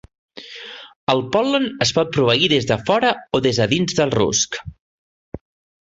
El pol·len es pot proveir des de fora o des de dins del rusc.